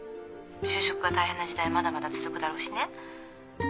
就職が大変な時代まだまだ続くだろうしね。